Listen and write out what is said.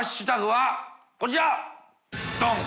ドン！